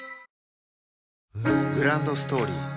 グランドストーリー